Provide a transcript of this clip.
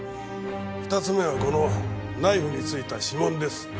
２つ目はこのナイフに付いた指紋です。